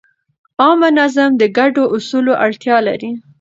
عامه نظم د ګډو اصولو اړتیا لري.